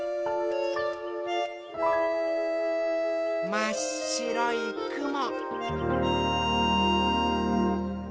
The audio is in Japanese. まっしろいくも。